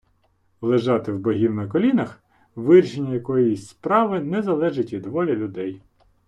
Лежати в богів на колінах - вирішення якоїсь справи не залежить від волі людей